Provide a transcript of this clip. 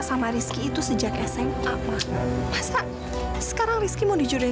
sampai jumpa di video selanjutnya